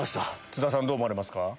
津田さんどう思われますか？